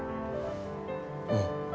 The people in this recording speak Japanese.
うん。